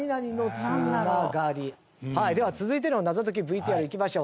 はいでは続いての謎解きＶＴＲ行きましょう。